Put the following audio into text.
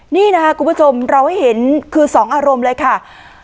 นี่นะคะคุณผู้ชมเราให้เห็นคือ๒อารมณ์เลยค่ะ